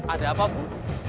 ada apa bu